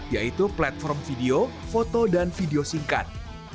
yaitu platform video foto dan video singkat